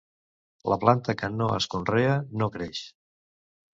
La planta que no es conrea, no creix.